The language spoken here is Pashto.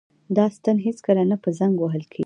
دا ستن هیڅکله نه زنګ وهل کیږي.